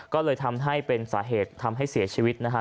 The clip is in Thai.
ก็เลยทำให้เป็นสาเหตุทำให้เสียชีวิตนะฮะ